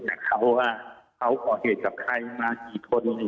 จากเขาว่าเขาก่อเหตุจับใครมาที่คนอย่างนี้